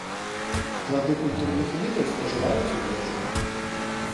Плады культурных відаў спажываюць у ежу.